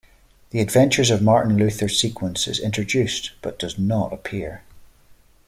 "The Adventures of Martin Luther" sequence is introduced but does not appear.